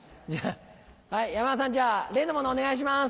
山田さんじゃあ例のものお願いします。